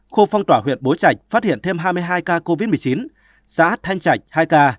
khu phong tỏa huyện bố trạch phát hiện thêm hai mươi hai ca covid một mươi chín xã thanh trạch hai ca